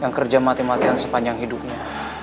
yang kerja mati matian sepanjang hidupnya